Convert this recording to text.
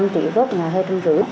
năm triệu góp là hơi trung trữ